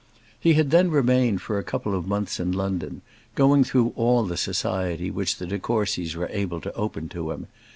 He had then remained for a couple of months in London, going through all the society which the de Courcys were able to open to him.